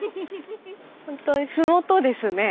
本当にふもとですね。